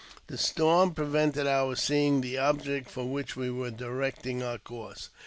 The storm prevented our seeing the object for which we were directing our course.